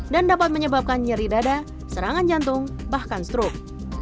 dan dapat menyebabkan nyeri dada serangan jantung bahkan strok